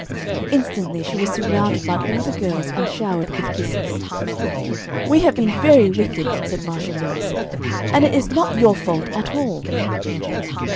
Instantly she was surrounded by all the girls and showered with kisses. "We have been very wicked," said Marcia Lewis, "and it is not your fault at all."